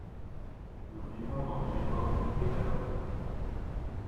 Nous vivons dans une époque de décadence…